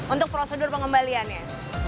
untuk prosedur pengembaliannya